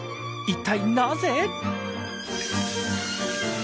一体なぜ？